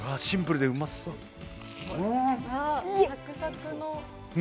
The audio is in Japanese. シンプルでうまそう